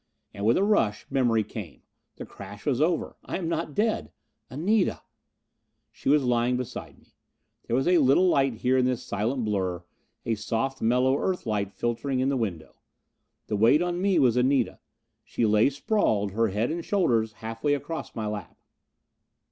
And with a rush, memory came. The crash was over. I am not dead. Anita She was lying beside me. There was a little light here in this silent blur a soft, mellow Earth light filtering in the window. The weight on me was Anita. She lay sprawled, her head and shoulders half way across my lap.